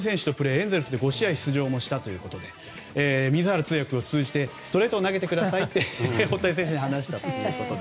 エンゼルスで５試合プレーをしたということで水原通訳を通じてストレートを投げてくださいと大谷選手に話したと。